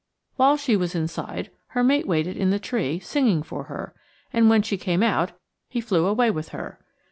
While she was inside, her mate waited in the tree, singing for her; and when she came out, he flew away with her.